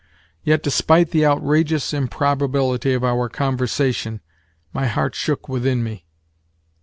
Yet, despite the outrageous improbability of our conversation, my heart shook within me.